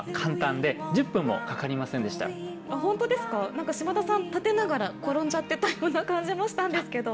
何か島田さん立てながら転んじゃってたような感じもしたんですけど。